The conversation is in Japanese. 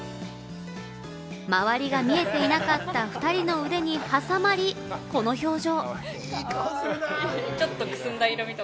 周りが見えてなかった２人の腕に挟まり、この表情。